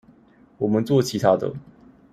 我們做其他的